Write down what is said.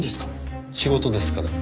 仕事ですから。